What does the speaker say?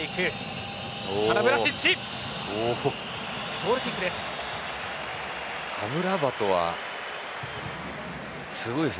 ゴールキックです。